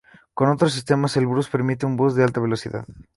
Con otros sistemas Elbrús permite un bus de alta velocidad.